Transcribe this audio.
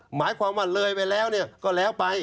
หมายความว่าเลยไปแล้วก็แล้วไป